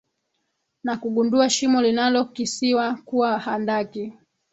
na kugundua shimo linalo kisiwa kuwa handaki